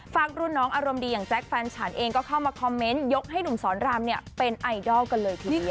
รุ่นน้องอารมณ์ดีอย่างแจ๊คแฟนฉันเองก็เข้ามาคอมเมนต์ยกให้หนุ่มสอนรามเนี่ยเป็นไอดอลกันเลยทีเดียว